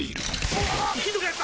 うわひどくなった！